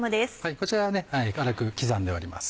こちらは粗く刻んでおります。